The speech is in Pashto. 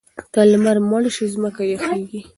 که لمر مړ شي ځمکه یخیږي.